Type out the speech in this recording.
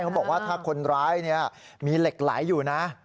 เขาบอกว่าถ้าคนร้ายมีเหล็กไหลอยู่นะ